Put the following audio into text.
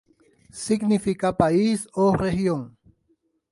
Significa país o región.